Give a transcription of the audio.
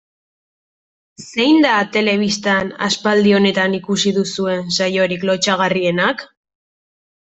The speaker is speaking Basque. Zein da telebistan aspaldi honetan ikusi duzuen saiorik lotsagarrienak?